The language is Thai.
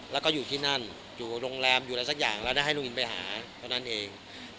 แล้วก็อยู่ที่นั่นอะไรสักอย่าง